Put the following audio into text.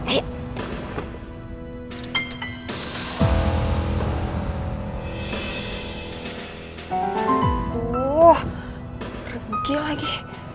aduh tergila lagi